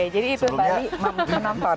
jadi itu bali menonton